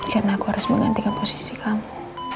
karena aku harus menggantikan posisi kamu